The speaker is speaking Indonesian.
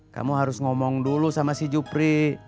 kamu harus ngomong dulu sama si jupri